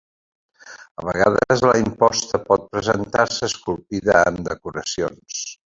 A vegades, la imposta pot presentar-se esculpida amb decoracions.